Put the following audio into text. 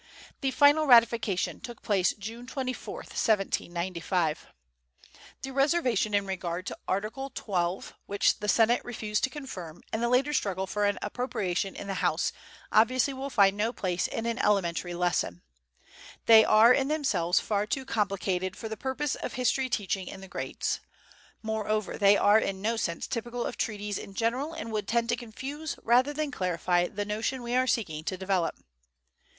The final ratification took place June 24, 1795. The reservation in regard to Article XII, which the Senate refused to confirm, and the later struggle for an appropriation in the House obviously will find no place in an elementary lesson. They are in themselves far too complicated for the purpose of history teaching in the grades. Moreover, they are in no sense typical of treaties in general and would tend to confuse rather than clarify the notion we are seeking to develop.